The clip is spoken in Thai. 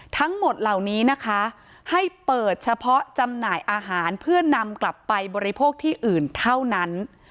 ทั้งหมดเหล่านี้นะคะให้เปิดเฉพาะจำหน่ายอาหารเพื่อนำกลับไปบริโภคที่อื่นเท่านั้น